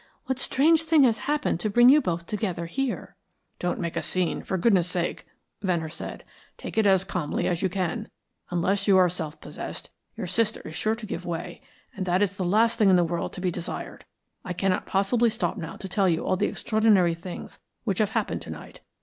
What strange thing has happened to bring you both together here." "Don't make a scene, for goodness' sake," Venner said. "Take it as calmly as you can. Unless you are self possessed, your sister is sure to give way, and that is the last thing in the world to be desired. I cannot possibly stop now to tell you all the extraordinary things which have happened to night.